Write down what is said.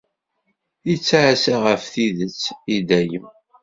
Ittɛassa ɣef tidet i dayem.